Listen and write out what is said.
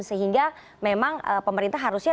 sehingga memang pemerintah harusnya